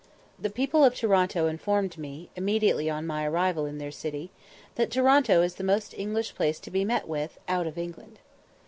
The people of Toronto informed me, immediately on my arrival in their city, that "Toronto is the most English place to be met with out of England."